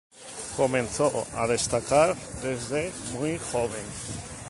Comenzó a destacar desde muy joven.